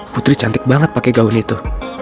putri cantik banget pakai gaun itu